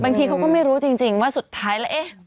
บางทีเขาก็ไม่รู้จริงว่าสุดท้ายแล้ว